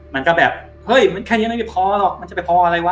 มันก็แบบเฮ้ยมันแค่นี้มันไม่พอหรอกมันจะไปพออะไรวะ